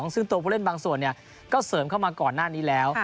ซึ่งตัวผู้เล่นบางส่วนก็เสริมเข้ามาก่อนหน้านี้แล้ว